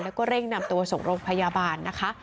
แล้วก็เร่งนำตัวส่งโรงพยาบาลนะคะ